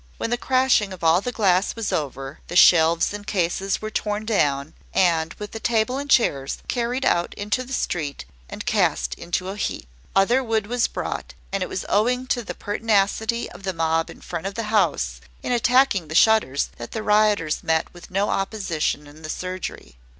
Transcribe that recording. When the crashing of all the glass was over, the shelves and cases were torn down, and, with the table and chairs, carried out into the street, and cast into a heap. Other wood was brought; and it was owing to the pertinacity of the mob in front of the house, in attacking the shutters, that the rioters met with no opposition in the surgery.